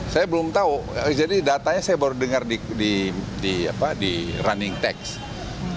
saya belum tahu jadi datanya saya baru dengar di running text